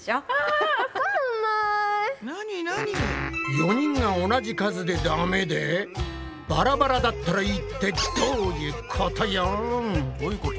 ４人が同じ数でダメでバラバラだったらいいってどういうことよん？